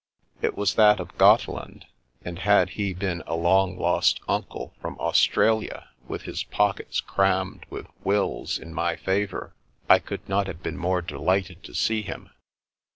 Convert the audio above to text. It was that of Gotte land, and had he been a long lost uncle from Aus tralia with his pockets crammed with wills in my fa vour, I could not have been more delighted to see him.